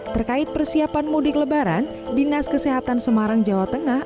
terkait persiapan mudik lebaran dinas kesehatan semarang jawa tengah